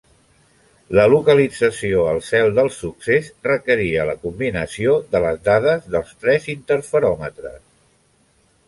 La localització al cel del succés requeria la combinació de les dades dels tres interferòmetres.